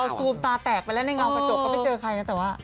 ซูมตาแตกไปแล้วในเงากระจกก็ไม่เจอใครนะแต่ว่า